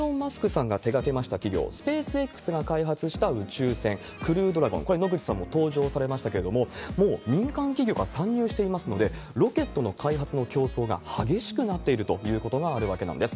さんが手がけました企業、スペースＸが開発した宇宙船、クルードラゴン、これ、野口さんも搭乗されましたけれども、もう民間企業が参入していますので、ロケットの開発の競争が激しくなっているということがあるわけなんです。